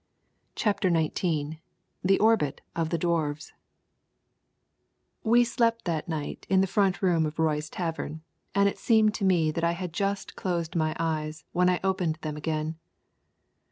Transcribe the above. CHAPTER XIX THE ORBIT OF THE DWARFS We slept that night in the front room of Roy's tavern, and it seemed to me that I had just closed my eyes when I opened them again.